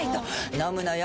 飲むのよ